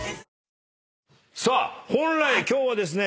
さあ本来今日はですね